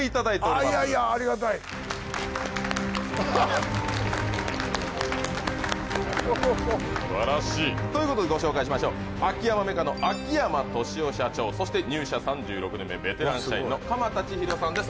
いやいやありがたいどうもすばらしいということでご紹介しましょう秋山メカの秋山壽夫社長そして入社３６年目ベテラン社員の鎌田千尋さんです